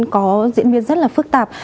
có diễn biến rất là phức tạp